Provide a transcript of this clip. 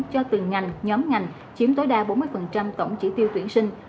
cho từng ngành nhóm ngành chiếm tối đa bốn mươi tổng chỉ tiêu tuyển sinh